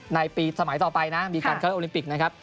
ในปีสมัยต่อไปนะมีการคัดโอลิมปิกนะครับ